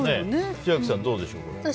千秋さん、どうでしょう、これ。